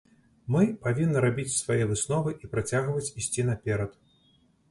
Мы павінны рабіць свае высновы і працягваць ісці наперад.